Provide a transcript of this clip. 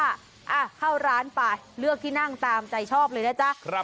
อ่ะเข้าร้านไปเลือกที่นั่งตามใจชอบเลยนะจ๊ะ